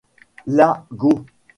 La Go!